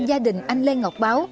gia đình anh lê ngọc báo